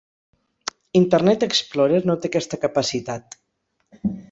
Internet Explorer no té aquesta capacitat.